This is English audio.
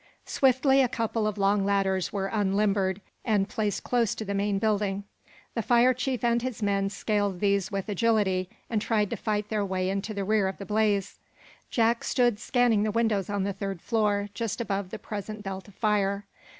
Swiftly a couple of long ladders were unlimbered and placed close to the main building. The fire chief and his men scaled these with agility and tried to fight their way into the rear of the blaze. Jack stood scanning the windows on the third floor, just above the present belt of fire.